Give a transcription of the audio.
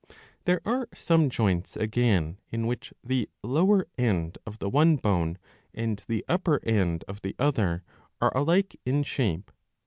There are some joints, again, in which the lower end of the one bone and the upper end of the other are alike in shape.